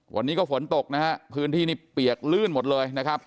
วันนี้ก็ฝนตกนะฮะพื้นที่นี่เปียกลื่นหมดเลยนะครับ